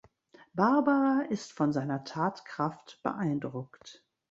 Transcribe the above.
Barbara ist von seiner Tatkraft beeindruckt.